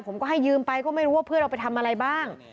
ผมก็ให้ยืมไปก็ไม่รู้ว่าเพื่อนเราไปทำอะไรบ้าง